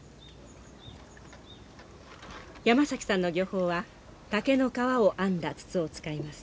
山崎さんの漁法は竹の皮を編んだ筒を使います。